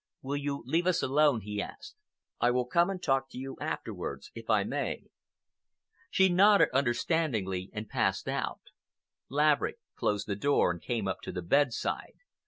"Will you leave us alone?" he asked. "I will come and talk to you afterwards, if I may." She nodded understandingly, and passed out. Laverick closed the door and came up to the bedside.